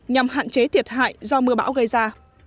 nhằm hạn chế thiệt hại do mưa bão gây ra